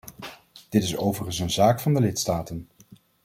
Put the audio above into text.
Dit is overigens een zaak van de lidstaten.